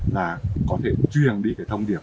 là có thể truyền đi cái thông điệp